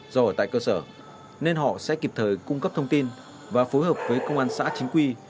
do ở tại cơ sở nên họ sẽ kịp thời cung cấp thông tin và phối hợp với công an xã chính quy